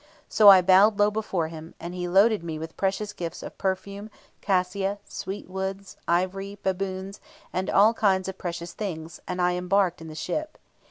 So I bowed low before him, and he loaded me with precious gifts of perfume, cassia, sweet woods, ivory, baboons, and all kinds of precious things, and I embarked in the ship.